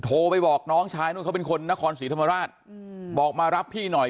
โทรไปบอกน้องชายนู่นเขาเป็นคนนครศรีธรรมราชบอกมารับพี่หน่อย